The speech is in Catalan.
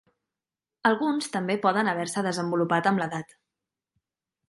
Alguns també poden haver-se desenvolupat amb l'edat.